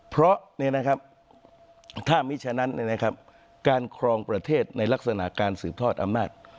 เพราะถ้ามิฉะนั้นการครองประเทศในลักษณะการสืบทอดอำนาจ